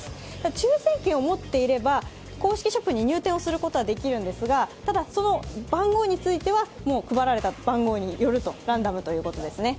抽選券を持っていれば、公式ショップに入店することはできるんですが、ただその番号については配られた番号によるランダムということですね。